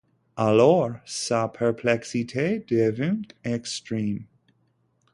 Alors, sa perplexité devint extrême.